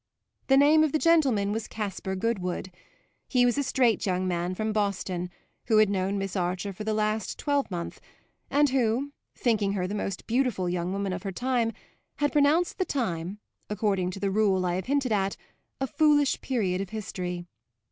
The name of the gentleman was Caspar Goodwood; he was a straight young man from Boston, who had known Miss Archer for the last twelvemonth and who, thinking her the most beautiful young woman of her time, had pronounced the time, according to the rule I have hinted at, a foolish period of history.